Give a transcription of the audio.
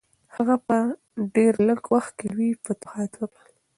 هغه په ډېر لږ وخت کې لوی فتوحات وکړل.